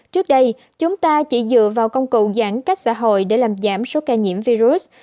trước đây chúng ta chỉ dựa vào công cụ giãn cách xã hội để làm giảm số ca nhiễm virus